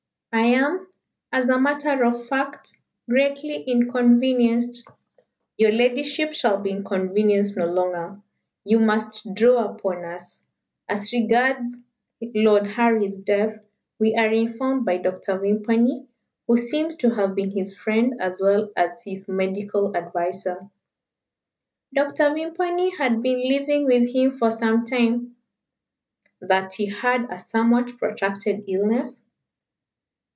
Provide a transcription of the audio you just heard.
I am, as a matter of fact, greatly inconvenienced." "Your ladyship shall be inconvenienced no longer. You must draw upon us. As regards Lord Harry's death, we are informed by Dr. Vimpany, who seems to have been his friend as well as his medical adviser " "Dr. Vimpany had been living with him for some time." "that he had a somewhat protracted illness?"